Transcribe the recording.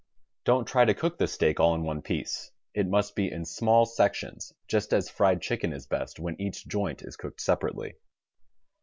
Don't try to cook the steak all in one piece. It must be in small sections, just as fried chicken is best when each joint is cooked separately.